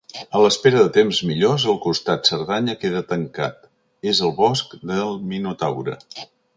A l'espera de temps millors, el costat Cerdanya queda tancat, és el Bosc del Minotaure.